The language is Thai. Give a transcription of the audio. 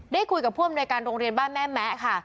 ได้คุยกับผู้อำนวยการโรงเรียนบ้านแม่แมะค่ะ